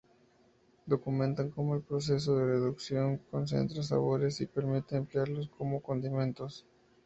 Documentan como el proceso de reducción concentra sabores, y permite emplearlos como condimentos.